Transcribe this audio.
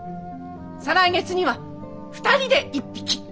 再来月には２人で１匹！